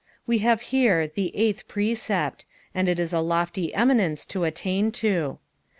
We have here tha niyhth pr»pi.pt unil it is a lofty eminence to attain to.